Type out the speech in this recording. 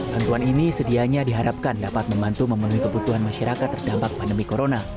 tentuan ini sedianya diharapkan dapat membantu memenuhi kebutuhan masyarakat terdampak pandemi corona